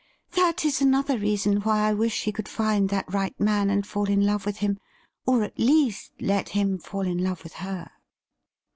' That is • another reason why I wish she could find that right man and fall in love with him, or at least let him fall in love with her.'